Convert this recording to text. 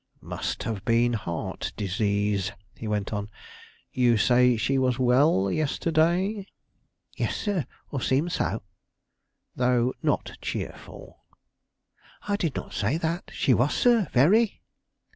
"Must have been heart disease," he went on, "You say she was well yesterday?" "Yes, sir; or seemed so." "Though not cheerful?" "I did not say that; she was, sir, very."